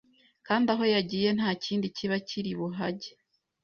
kandi aho yagiye nta kindi kiba kiri buhajye